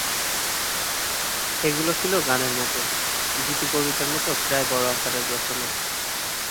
এগুলো ছিল গানের মতো, গীতিকবিতার মতো, প্রায়ই বড় আকারের রচনা।